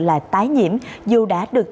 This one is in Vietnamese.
là tái nhiễm dù đã được